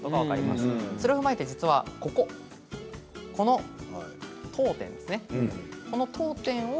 それを踏まえ実はこの句点ですね。